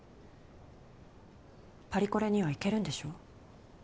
パリコレには行けるんでしょ？